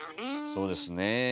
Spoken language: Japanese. そうですね。